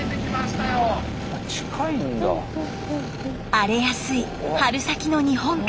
荒れやすい春先の日本海。